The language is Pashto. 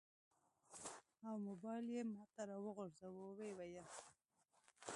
او موبایل یې ماته راوغورځاوه. و یې ویل: